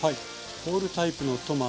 ホールタイプのトマト。